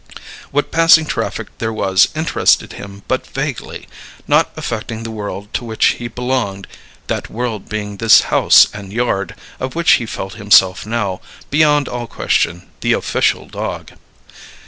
What passing traffic there was interested him but vaguely, not affecting the world to which he belonged that world being this house and yard, of which he felt himself now, beyond all question, the official dog.